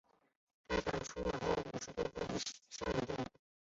他曾出演过五十部以上的电影。